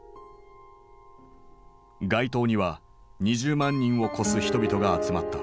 街頭には２０万人を超す人々が集まった。